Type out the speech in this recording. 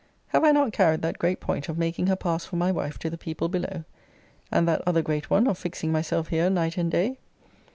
Have I not carried that great point of making her pass for my wife to the people below? And that other great one, of fixing myself here night and day?